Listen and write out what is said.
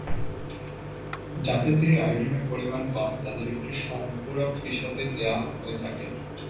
যাদের দেহে আয়োডিনের পরিমাণ কম, তাদের এটি সম্পূরক হিসেবে দেওয়া হয়ে থাকে।